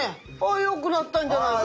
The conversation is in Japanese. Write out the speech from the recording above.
よくなったんじゃないか？